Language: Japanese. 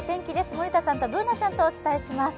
森田さんとＢｏｏｎａちゃんとお伝えします。